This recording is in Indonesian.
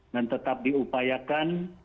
dan tetap diupayakan